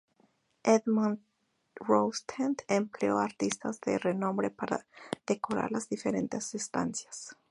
Edmond Rostand empleó a artistas de renombre para decorar las diferentes estancias.